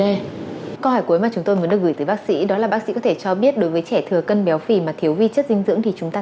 câu hỏi cuối mà chúng tôi muốn được gửi tới bác sĩ đó là bác sĩ có thể cho biết đối với trẻ thừa cân béo phì mà thiếu vi chất dinh dưỡng thì chúng ta